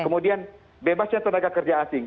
kemudian bebasnya tenaga kerja asing